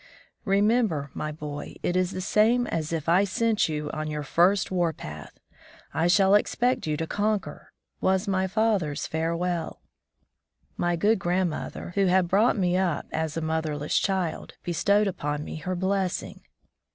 "Remember, my boy, it is the same as if 31 From the Deep Woods to Civilization I sent you on your first war path. I shall expect you to conquer," was my father's farewell. My good grandmother, who had brought me up as a motherless child, be stowed upon me her blessing.